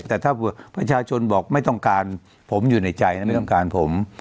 แต่ถ้าประชาชนบอกไม่ต้องการผมอยู่ในใจไม่ต้องการผม